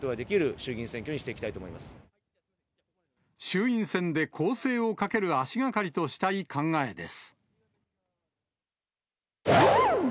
衆院選で攻勢をかける足がかりとしたい考えです。